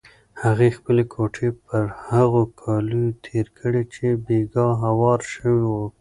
هغې خپلې ګوتې پر هغو کالیو تېرې کړې چې بېګا هوار شوي وو.